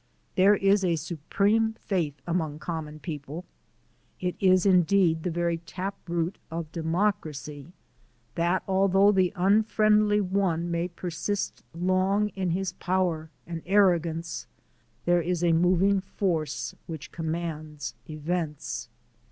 There is a supreme faith among common people it is, indeed, the very taproot of democracy that although the unfriendly one may persist long in his power and arrogance, there is a moving Force which commands events.